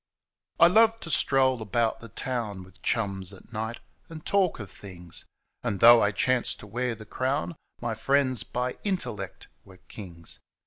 I loved to stroll about the town With chums at night, and talk of things. And, though I chanced to wear the crown. My friends, by intellect, were kings.